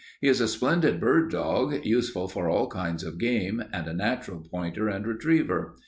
He is a splendid bird dog, useful for all kinds of game, and a natural pointer and retriever.